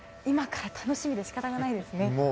今から楽しみで仕方がないですね。